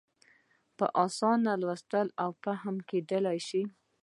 په اسانه لوستی او فهم کېدای شي.